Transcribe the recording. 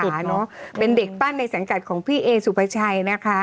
เป็นเด็กปั้นในสังกัดของพี่เอสุภาชัยนะคะ